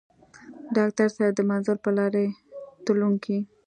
ډاکټر صېب د منزل پۀ لارې تلونکے